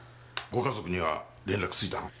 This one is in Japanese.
ご家族には連絡ついたの？